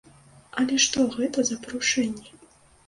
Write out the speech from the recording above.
Але што гэта за парушэнні?